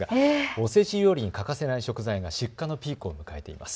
おせち料理に欠かせない食材が出荷のピークを迎えています。